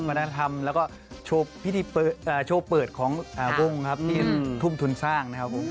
วัฒนธรรมแล้วก็โชว์เปิดของวงครับที่ทุ่มทุนสร้างนะครับผม